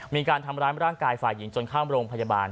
มีการทำร้ายร่างกายฝ่ายหญิงจนข้ามโรงพยาบาล